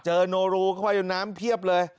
เจอนูรูเข้าไปในน้ำเพียบเลย